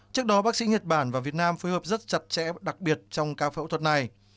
trước đó bác sĩ nhật bản và việt nam phối hợp rất chặt chẽ đặc biệt trong ca phẫu thuật này